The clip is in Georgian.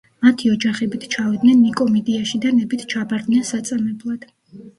მათი ოჯახებით ჩავიდნენ ნიკომიდიაში და ნებით ჩაბარდნენ საწამებლად.